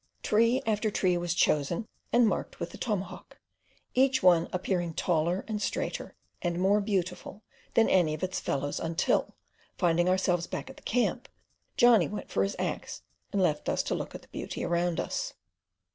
Tree after tree was chosen and marked with the tomahawk, each one appearing taller and straighter and more beautiful than any of its fellows until, finding ourselves back at the camp, Johnny went for his axe and left us to look at the beauty around us.